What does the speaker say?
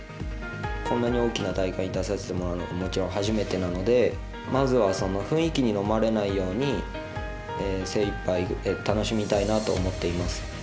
こんなに大きな大会に出させてもらうのはもちろん初めてなのでまず、雰囲気にのまれないように精いっぱい楽しみたいなと思っています。